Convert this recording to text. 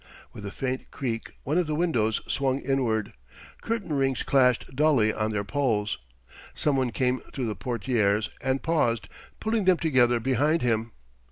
With a faint creak one of the windows swung inward. Curtain rings clashed dully on their poles. Someone came through the portières and paused, pulling them together behind him.